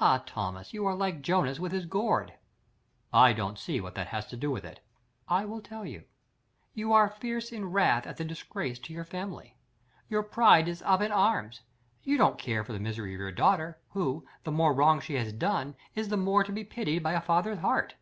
Ah, Thomas, you are like Jonas with his gourd." "I don't see what that has to do with it." "I will tell you. You are fierce in wrath at the disgrace to your family. Your pride is up in arms. You don't care for the misery of your daughter, who, the more wrong she has done, is the more to be pitied by a father's heart.